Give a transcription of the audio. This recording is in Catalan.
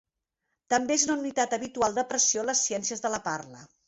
També és una unitat habitual de pressió en les ciències de la parla.